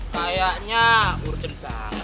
kayaknya urgen banget